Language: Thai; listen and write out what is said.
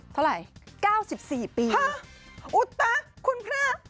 เท่าไหร่๙๔ปีอุตะคุณพระ